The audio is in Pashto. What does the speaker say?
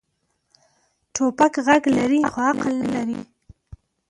توپک غږ لري، خو عقل نه لري.